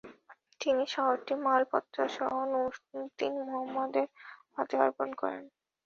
তিনি শহরটি মালপত্রসহ নুরউদ্দিন মুহাম্মদের হাতে অর্পণ করেন।